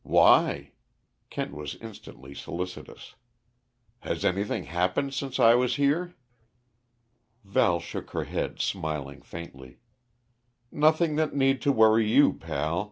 "Why?" Kent was instantly solicitous. "Has anything happened since I was here?" Val shook her head, smiling faintly. "Nothing that need to worry you, pal.